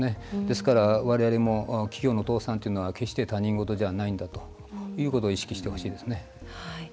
ですから、われわれも企業の倒産というのは、決して他人事じゃないんだということを意識してほしいですね。